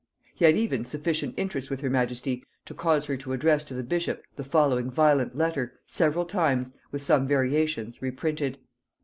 He had even sufficient interest with her majesty to cause her to address to the bishop the following violent letter, several times, with some variations, reprinted.